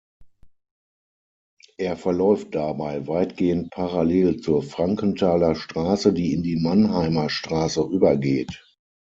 Er verläuft dabei weitgehend parallel zur Frankenthaler Straße, die in die Mannheimer Straße übergeht.